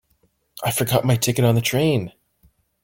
I forgot my ticket on the train.